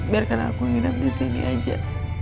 biarkan aku nginap di sini aja